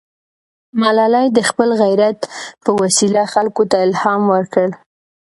ملالۍ د خپل غیرت په وسیله خلکو ته الهام ورکړ.